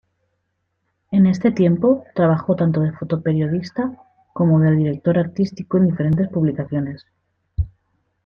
En este tiempo trabajó tanto de fotoperiodista como de director artístico en diferentes publicaciones.